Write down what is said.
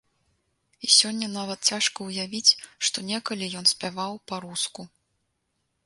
І сёння нават цяжка ўявіць, што некалі ён спяваў па-руску.